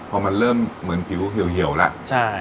พอมันเริ่มเหมือนผิวเหี่ยวแล้ว